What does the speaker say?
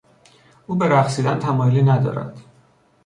او به رقصیدن تمایلی ندارد.